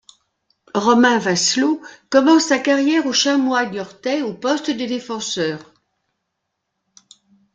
Romain Vincelot commence sa carrière aux Chamois niortais au poste de défenseur.